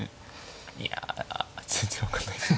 いや全然分かんないです。